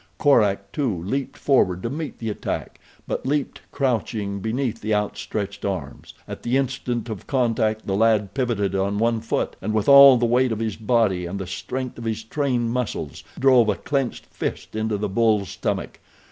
Korak, too, leaped forward to meet the attack; but leaped crouching, beneath the outstretched arms. At the instant of contact the lad pivoted on one foot, and with all the weight of his body and the strength of his trained muscles drove a clenched fist into the bull's stomach.